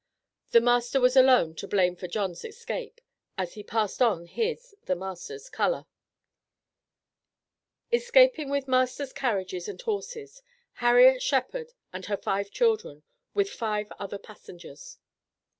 The master was alone to blame for John's escape, as he passed on his (the master's) color. ESCAPING WITH MASTER'S CARRIAGES AND HORSES. HARRIET SHEPHARD, AND HER FIVE CHILDREN, WITH FIVE OTHER PASSENGERS.